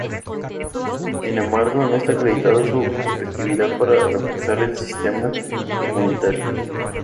Sin embargo, no está acreditada su efectividad para reforzar el sistema inmunitario.